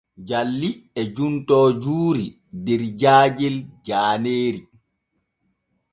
Jalli e juntoo juuri der jaajel jaaneeri.